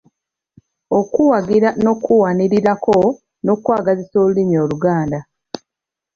Okuwagira n’okuwanirira ko n’okwagazisa olulimi Oluganda